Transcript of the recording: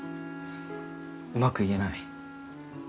うまく言えない。